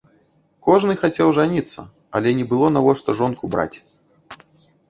Кожны хацеў жаніцца, але не было навошта жонку браць.